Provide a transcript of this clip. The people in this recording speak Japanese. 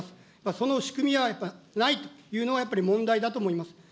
その仕組みはやっぱりないというのが、やっぱり問題だと思います。